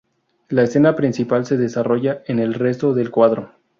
La escena principal se desarrolla en el resto del cuadro.